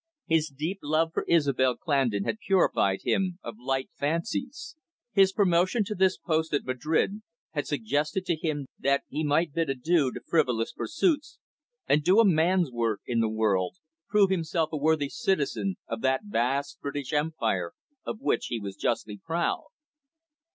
His deep love for Isobel Clandon had purified him of light fancies. His promotion to this post at Madrid had suggested to him that he might bid adieu to frivolous pursuits, and do a man's work in the world, prove himself a worthy citizen of that vast British Empire of which he was justly proud.